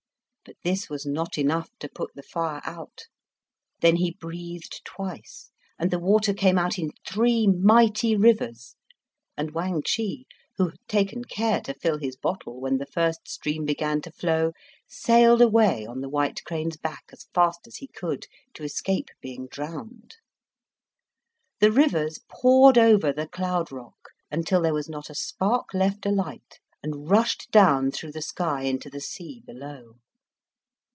But this was not enough to put the fire out. Then he breathed twice, and the water came out in three mighty rivers, and Wang Chih, who had taken care to fill his bottle when the first stream began to flow, sailed away on the white crane's back as fast as he could, to escape being drowned. The rivers poured over the cloud rock, until there was not a spark left alight, and rushed down through the sky into the sea below.